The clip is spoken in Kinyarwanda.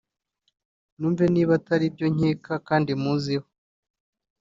numve niba atari ibyo nkeka kandi muziho